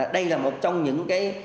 đây là một trong những cái